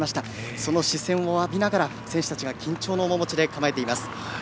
その視線を浴びて選手たちが緊張の面持ちで構えています。